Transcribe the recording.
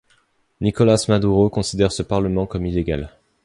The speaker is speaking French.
Nicolás Maduro considère ce Parlement comme illégal.